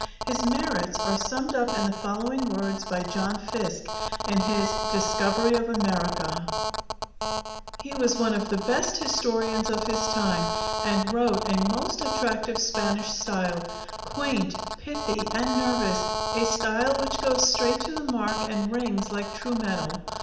His merits are summed up in the following words by John Fiske, in his 'Discovery of America': "He was one of the best historians of his time, and wrote a most attractive Spanish style, quaint, pithy, and nervous, a style which goes straight to the mark and rings like true metal.